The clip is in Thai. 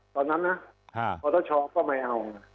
ตอนนั้นนะปตชก็ไม่เอา